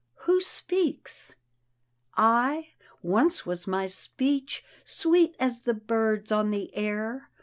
" Who speaks? "" I, — once was my speech Sweet as the bird's on the air.